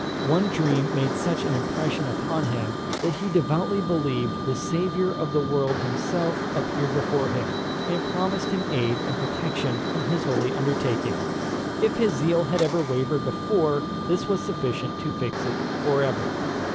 One dream made such an impression upon him, that he devoutly believed the Saviour of the world himself appeared before him, and promised him aid and protection in his holy undertaking. If his zeal had ever wavered before, this was sufficient to fix it for ever.